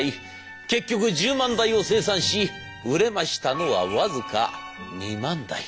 結局１０万台を生産し売れましたのは僅か２万台。